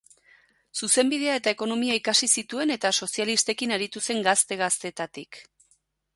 Zuzenbidea eta Ekonomia ikasi zituen eta sozialistekin aritu zen gazte-gaztetatik.